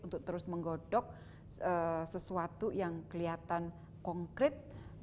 untuk terus menggodok sesuatu yang kelihatan konkret